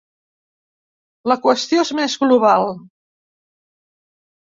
La qüestió és més global.